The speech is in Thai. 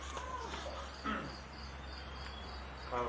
สวัสดีทุกคน